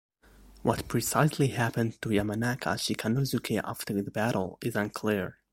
What precisely happened to Yamanaka Shikanosuke after the battle is unclear.